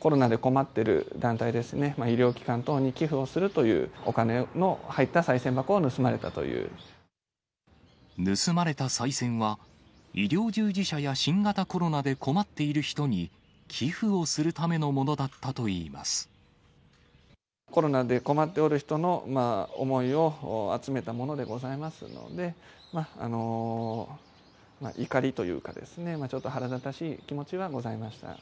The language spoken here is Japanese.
コロナで困っている団体ですね、医療機関等に寄付をするというお金の入ったさい銭箱を盗まれたと盗まれたさい銭は、医療従事者や新型コロナで困っている人に寄付をするためのものだコロナで困っておる人の思いを集めたものでございますので、怒りというかですね、ちょっと腹立たしい気持ちはございました。